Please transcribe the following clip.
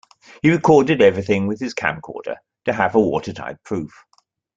He recorded everything with his camcorder to have a watertight proof.